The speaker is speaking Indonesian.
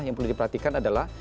yang perlu diperhatikan adalah